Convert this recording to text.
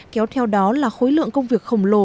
kéo theo đó là khối lượng công việc khổng lồ